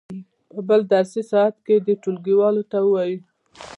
په بل درسي ساعت کې دې ټولګیوالو ته ووایي.